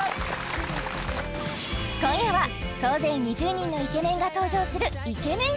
今夜は総勢２０人のイケメンが登場するイケメン